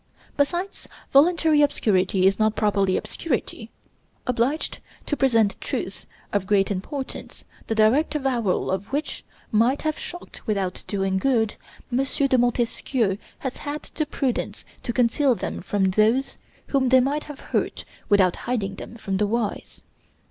Besides, voluntary obscurity is not properly obscurity. Obliged to present truths of great importance, the direct avowal of which might have shocked without doing good, M. de Montesquieu has had the prudence to conceal them from those whom they might have hurt without hiding them from the wise.